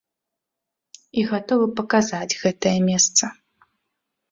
І гатовы паказаць гэтае месца.